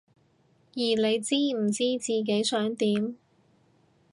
而你唔知自己想點？